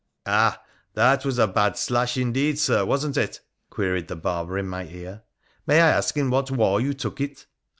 ' Ah ! that ivas a bad slash, indeed, Sir, wasn't it ?' queried the barber in my ear. ' May I ask in what war you took it